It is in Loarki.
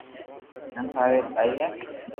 ھين ٽاري بائي ھون